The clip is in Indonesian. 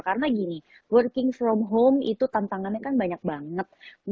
karena gini working from home itu tantangannya kan banyak banget